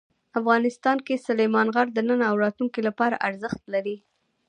افغانستان کې سلیمان غر د نن او راتلونکي لپاره ارزښت لري.